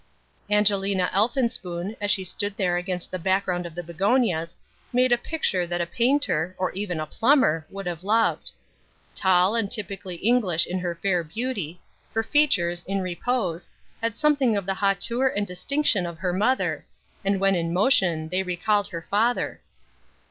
Angelina Elphinspoon, as she stood there against the background of the begonias, made a picture that a painter, or even a plumber, would have loved. Tall and typically English in her fair beauty, her features, in repose, had something of the hauteur and distinction of her mother, and when in motion they recalled her father.